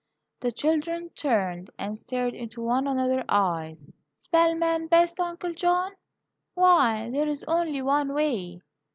The children turned and stared into one another's eyes. "Spell 'man' best, Uncle John? Why, there is only one way!"